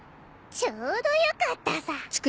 ちょうどよかったさ。